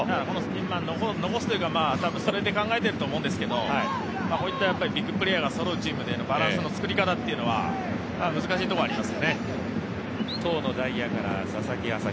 残すというかたぶんそれで考えていると思うんですけどこういったビッグプレーヤーがそろうチームでのバランスの作り方というのは難しいところがありますよね。